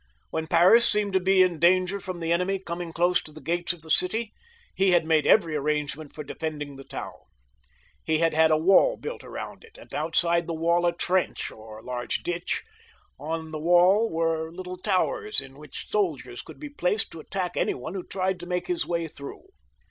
"When Paris seemed to be in danger from the enemy coming clbse to the gates of the city, he had made every arrangement for defending the town. He had had a wall built round it, and outside the waU a trench or large ditch; on the wall were little towers in which soldiers could be placed to attack any one who tried to make his way through.